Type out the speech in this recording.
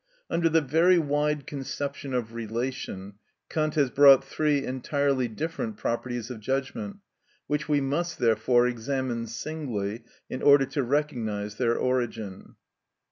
Under the very wide conception of Relation Kant has brought three entirely different properties of judgments, which we must, therefore, examine singly, in order to recognise their origin.